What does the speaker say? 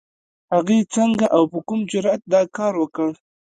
هغې څنګه او په کوم جرئت دا کار وکړ؟